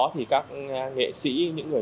thì các nghệ sĩ những người